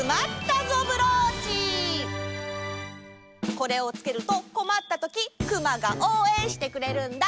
これをつけるとこまったときクマがおうえんしてくれるんだ。